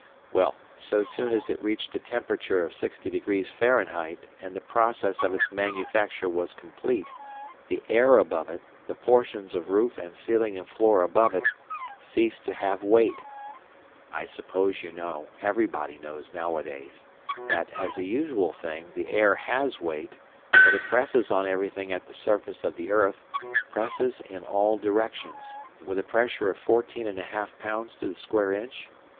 "Well, so soon as it reached a temperature of 60 degrees Fahrenheit, and the process of its manufacture was complete, the air above it, the portions of roof and ceiling and floor above it ceased to have weight. I suppose you know—everybody knows nowadays—that, as a usual thing, the air has weight, that it presses on everything at the surface of the earth, presses in all directions, with a pressure of fourteen and a half pounds to the square inch?"